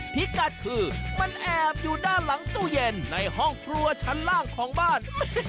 พิกัดคือมันแอบอยู่ด้านหลังตู้เย็นในห้องครัวชั้นล่างของบ้าน